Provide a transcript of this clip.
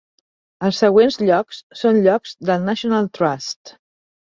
Els següents llocs són llocs del National Trust.